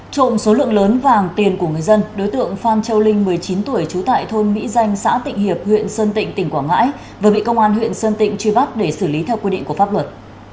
trộm số lượng lớn vàng tiền của người dân đối tượng phan châu linh một mươi chín tuổi trú tại thôn mỹ danh xã tịnh hiệp huyện sơn tịnh tỉnh quảng ngãi vừa bị công an huyện sơn tịnh truy bắt để xử lý theo quy định của pháp luật